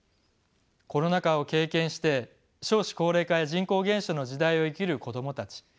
コロナ禍を経験して少子高齢化や人口減少の時代を生きる子どもたち。